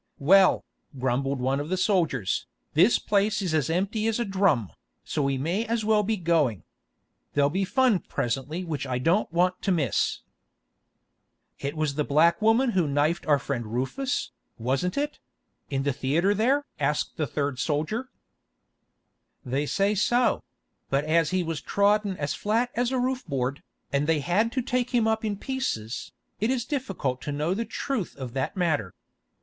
"Well," grumbled one of the soldiers, "this place is as empty as a drum, so we may as well be going. There'll be fun presently which I don't want to miss." "It was the black woman who knifed our friend Rufus, wasn't it—in the theatre there?" asked the third soldier. "They say so; but as he was trodden as flat as a roof board, and they had to take him up in pieces, it is difficult to know the truth of that matter.